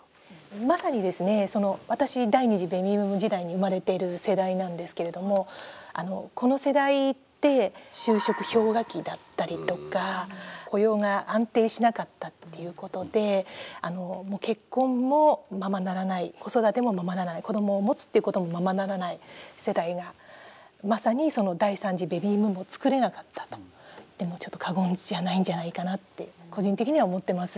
私第２次ベビーブーム時代に生まれてる世代なんですけれどもこの世代って就職氷河期だったりとか雇用が安定しなかったっていうことで結婚もままならない子育てもままならない子どもを持つっていうこともままならない世代がまさに第３次ベビーブームをつくれなかったと言っても過言じゃないんじゃないかなと個人的には思ってます。